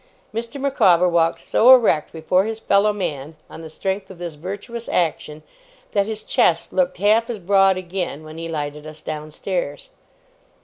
Mr. Micawber walked so erect before his fellow man, on the strength of this virtuous action, that his chest looked half as broad again when he lighted us downstairs.